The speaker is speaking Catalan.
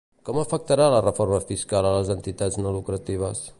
Com afectarà la reforma fiscal a les entitats no lucratives?